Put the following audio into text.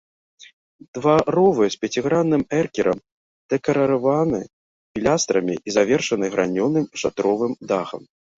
Дваровы з пяцігранным эркерам, дэкарыраваны пілястрамі і завершаны гранёным шатровым дахам.